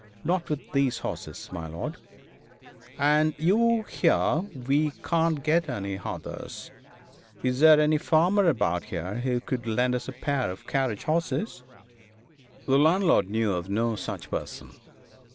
'Not with these horses, my lord.' 'And you hear we can't get any others. Is there any farmer about here who could lend us a pair of carriage horses?' The landlord knew of no such person.